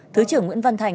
thứ trưởng nguyễn văn thành